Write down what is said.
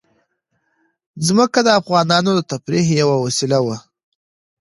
ځمکه د افغانانو د تفریح یوه وسیله ده.